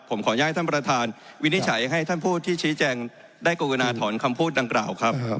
ผมขอให้ท่านประธานวินิจฉัยให้ท่านผู้ที่ชี้แจงได้กรุณาถอนคำพูดดังกล่าวครับ